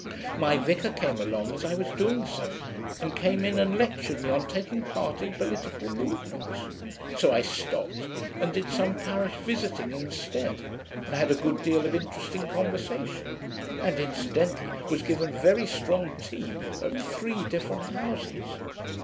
My vicar came along as I was doing so, and came in and lectured me on taking part in political movements. So I stopped, and did some parish visiting instead, and had a good deal of interesting conversation, and incidentally was given very strong tea at three different houses.